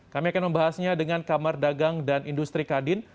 kami akan membahasnya dengan kamar dagang dan industri kadin